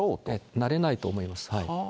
なれないと思います。